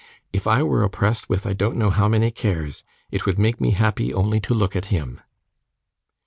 If I were oppressed with I don't know how many cares, it would make me happy only to look at him.